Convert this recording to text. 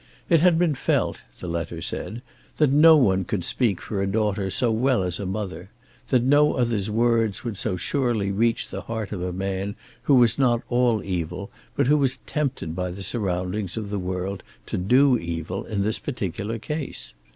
It had been felt, the letter said, that no one could speak for a daughter so well as a mother; that no other's words would so surely reach the heart of a man who was not all evil but who was tempted by the surroundings of the world to do evil in this particular case.